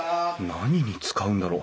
何に使うんだろ？